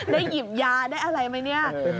หยิบยาได้อะไรไหมเนี่ย